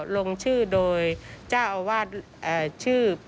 ลงชื่อโดยเจ้าอาวาสชื่อ